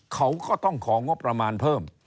เขาก็ต้องของงบประมาณเพิ่ม